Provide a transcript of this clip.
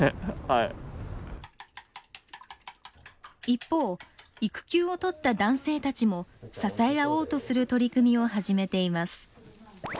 一方育休を取った男性たちも支え合おうとする取り組みを始めています。